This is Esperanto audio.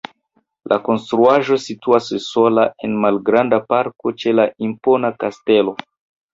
La konstruaĵo situas sola en malgranda parko ĉe la impona kastelo.